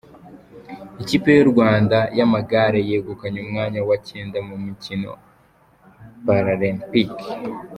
Ikipe y’u Rwanda yamagare yegukanye umwanya wa Cyenda mu mikino Paralempike